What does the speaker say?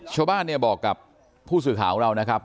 ชาวบ้านเนี่ยบอกกับผู้สื่อข่าวของเรานะครับ